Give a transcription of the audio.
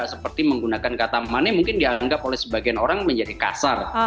seperti menggunakan kata mane mungkin dianggap oleh sebagian orang menjadi kasar